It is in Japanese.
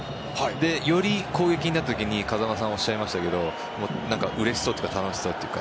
より攻撃のときに風間さんがおっしゃいましたがうれしそうというか楽しそうというか。